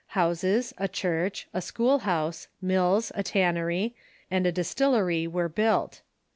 Houses, a church, a school house, mills, a tannery, and a distillery Avere built.